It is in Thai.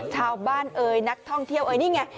เอ่ยนักท่องเที่ยวเอ๋ยนี่ไง